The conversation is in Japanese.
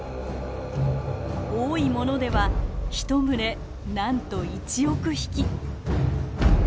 多いものではひと群れなんと１億匹。